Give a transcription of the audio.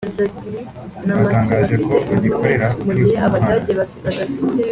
Batangaje ko bagikorera ubucuruzi mu muhanda